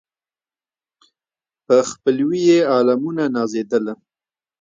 په خپلوي یې عالمونه نازېدله